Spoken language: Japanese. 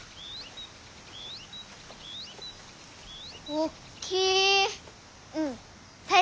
おっきい！